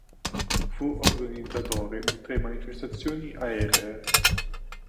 Fu organizzatore di tre manifestazioni aeree.